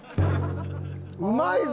うまいぞ！